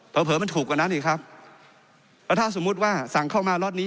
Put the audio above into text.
เผลอมันถูกกว่านั้นอีกครับแล้วถ้าสมมุติว่าสั่งเข้ามาล็อตนี้